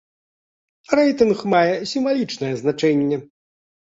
Рэйтынг мае сімвалічнае значэнне.